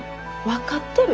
分かってる。